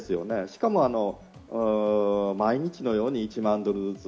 しかも毎日のように１万ドルずつ。